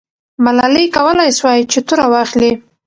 ملالۍ کولای سوای چې توره واخلي.